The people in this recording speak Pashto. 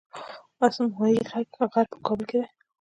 اسمايي غر په کابل کې دی